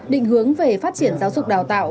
định hướng về phát triển giáo dục đào tạo